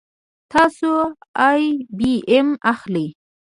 تاسو آی بي ایم اخلئ